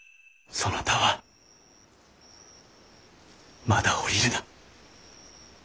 そなたはまだ降りるな。